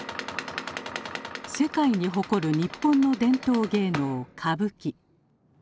世界に誇る日本の伝統芸能歌舞伎。